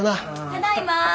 ただいま。